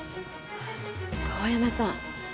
遠山さん。